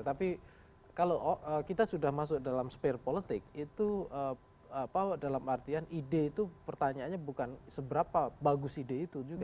jadi kalau kita sudah masuk dalam sphere politik itu dalam artian ide itu pertanyaannya bukan seberapa bagus ide itu juga